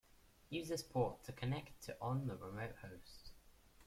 Use this port to connect to on the remote host.